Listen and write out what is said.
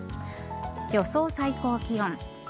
予想最高気温。